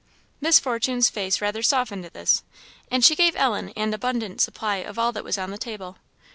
Miss Fortune's face rather softened at this, and she gave Ellen an abundant supply of all that was on the table.